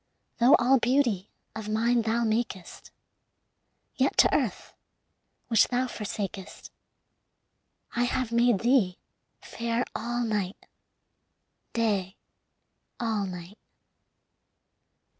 Though all beauty of nine thou makest, Yet to earth which thou forsakest I have made thee fair all night, Day all night.